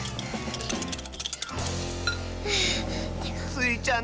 スイちゃん